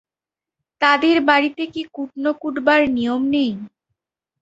তাদের বাড়িতে কি কুটনো কুটবার নিয়ম নেই।